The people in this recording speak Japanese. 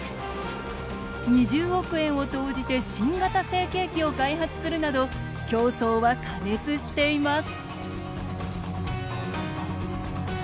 ２０億円を投じて新型成型機を開発するなど競争は過熱しています